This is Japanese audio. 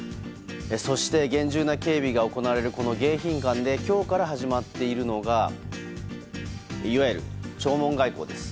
そして厳重な警備が行われる迎賓館で今日から始まっているのがいわゆる弔問外交です。